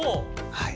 はい。